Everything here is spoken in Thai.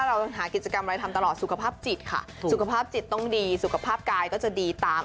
เราหากิจกรรมอะไรทำตลอดสุขภาพจิตค่ะสุขภาพจิตต้องดีสุขภาพกายก็จะดีตาม